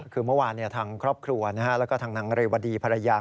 คือเมื่อวานทางครอบครัวแล้วก็ทางนางเรวดีภรรยา